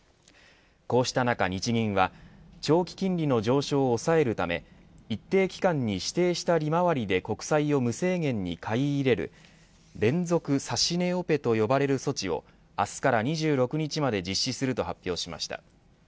こうした中、日銀は長期金利の上昇を抑えるため一定期間に指定した利回りで国債を無制限に買い入れる連続指値オペと呼ばれる措置を明日から２６日まで実施すると発表しました。